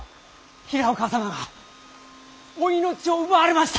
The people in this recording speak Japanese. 平岡様がお命を奪われました。